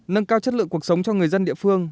nâng cao chất lượng cuộc sống cho người dân địa phương